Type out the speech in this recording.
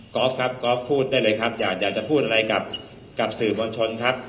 อล์ฟครับกอล์ฟพูดได้เลยครับอยากจะพูดอะไรกับสื่อมวลชนครับ